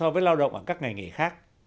với lao động ở các ngành nghề khác